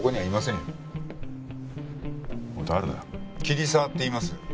桐沢っていいます。